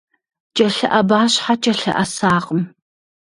КӀэлъыӀэба щхьэкӀэ лъэӀэсакъым.